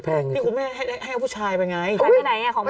พี่คุณแม่ให้พ่อชายไปไงไหนไปไหนของแม่